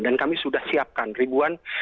dan kami sudah siapkan ribuan kursus digital